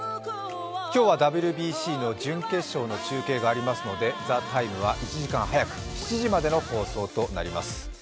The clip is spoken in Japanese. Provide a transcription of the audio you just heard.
今日はＷＢＣの準決勝の中継がありますので、「ＴＨＥＴＩＭＥ，」は１時間早く７時までの放送となります。